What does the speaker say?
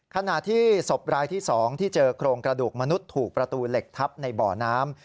ขณะที่ศพรายที่๒ที่เจอโครงกระดูกมนุษย์ถูกประตูเหล็กทับในบ่อน้ำ